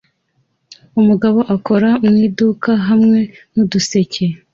Umugabo akora mu iduka hamwe nuduseke